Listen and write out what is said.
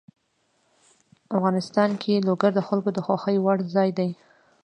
افغانستان کې لوگر د خلکو د خوښې وړ ځای دی.